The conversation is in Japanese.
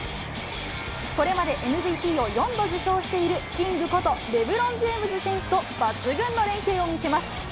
これまでＭＶＰを４度受賞しているキングこと、レブロン・ジェームズ選手と抜群の連係を見せます。